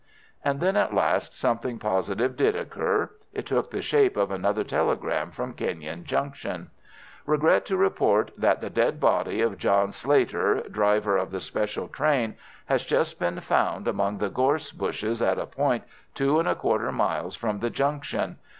And then at last something positive did occur. It took the shape of another telegram from Kenyon Junction. "Regret to report that the dead body of John Slater, driver of the special train, has just been found among the gorse bushes at a point two and a quarter miles from the Junction.